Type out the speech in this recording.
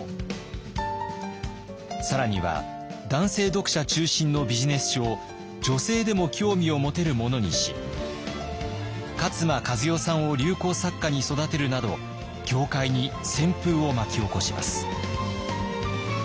更には男性読者中心のビジネス書を女性でも興味を持てるものにし勝間和代さんを流行作家に育てるなど業界に旋風を巻き起こします。